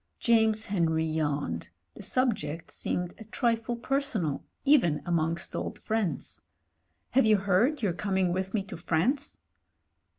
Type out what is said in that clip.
James Henry yawned — the subject seemed a trifle personal even amongst old friends. *'Have you heard you're coming with me to France?"